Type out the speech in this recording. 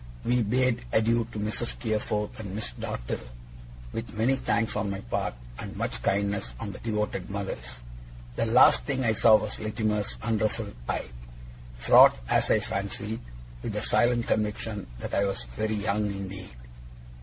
We bade adieu to Mrs. Steerforth and Miss Dartle, with many thanks on my part, and much kindness on the devoted mother's. The last thing I saw was Littimer's unruffled eye; fraught, as I fancied, with the silent conviction that I was very young indeed.